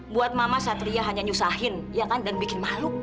buat mama satria hanya nyusahin ya kan dan bikin malu